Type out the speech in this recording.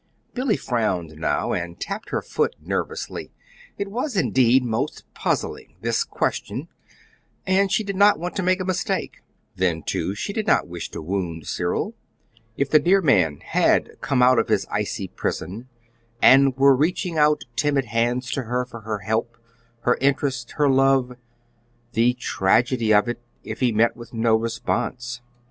Billy frowned now, and tapped her foot nervously. It was, indeed, most puzzling this question, and she did not want to make a mistake. Then, too, she did not wish to wound Cyril. If the dear man HAD come out of his icy prison, and were reaching out timid hands to her for her help, her interest, her love the tragedy of it, if he met with no response!....